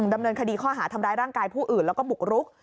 ดำเนินคดีข้อหาทำร้ายร่างกายผู้อื่นแล้วก็บุกรุก